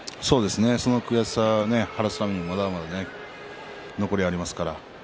その悔しさを晴らすためにまだまだ残りがありますからね。